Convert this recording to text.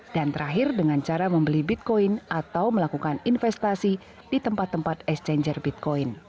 dan terakhir dengan cara membeli bitcoin atau melakukan investasi di tempat tempat exchanger bitcoin